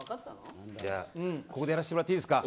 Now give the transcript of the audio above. ここでやらせてもらっていいですか。